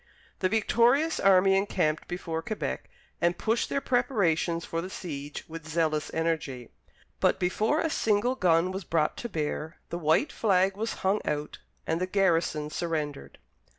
The victorious army encamped before Quebec and pushed their preparations for the siege with zealous energy, but, before a single gun was brought to bear, the white flag was hung out, and the garrison surrendered.